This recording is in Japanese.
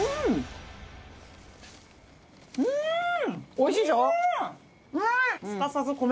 おいしいでしょ？